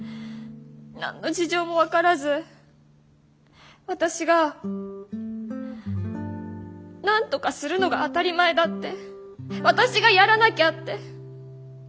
何の事情も分からず私がなんとかするのが当たり前だって私がやらなきゃって。